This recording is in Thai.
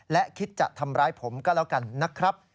และคิดจะทำร้ายผมก็แล้วกันนะครับ